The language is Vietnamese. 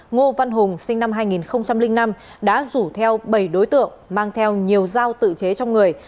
ngô văn hùng sinh năm hai nghìn năm đã rủ theo bảy đối tượng mang theo nhiều giao tự chế trong người